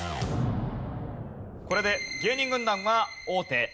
これで芸人軍団は王手。